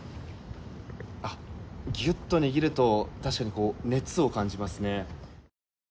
ギュッと握ると確かに熱を感じますね。